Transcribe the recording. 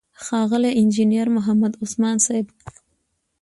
ښاغلی انجينر محمد عثمان صيب،